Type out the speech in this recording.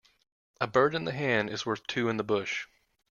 A bird in the hand is worth two in the bush.